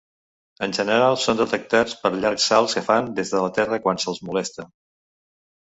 En general, són detectats pels llargs salts que fan des del terra quan se'ls molesta.